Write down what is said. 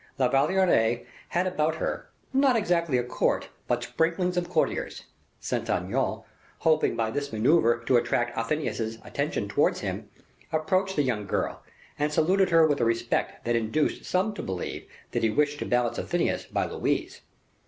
La Valliere had about her, not exactly a court, but sprinklings of courtiers. Saint Aignan, hoping by this maneuver to attract Athenais's attention towards him, approached the young girl, and saluted her with a respect that induced some to believe that he wished to balance Athenais by Louise.